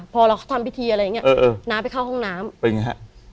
พอเราทำพิธีอะไรอย่างเงี้เออน้าไปเข้าห้องน้ำเป็นไงฮะ